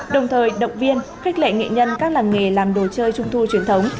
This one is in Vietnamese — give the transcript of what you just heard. đồng thời động viên khích lệ nghệ nhân các làng nghề làm đồ chơi trung thu truyền thống